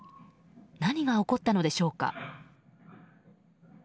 何が起こったのでしょうか。